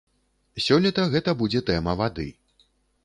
Сёлета гэта будзе тэма вады.